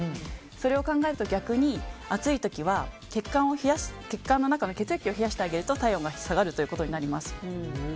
それを考えると逆に暑い時は血管の中の血液を冷やしてあげると体温が下がることになります。